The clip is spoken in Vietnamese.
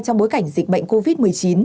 trong bối cảnh dịch bệnh covid một mươi chín